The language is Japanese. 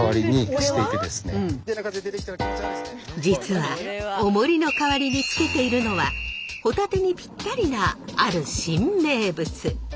実はおもりの代わりにつけているのはホタテにぴったりなある新名物。